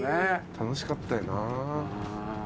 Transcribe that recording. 楽しかったよなぁ。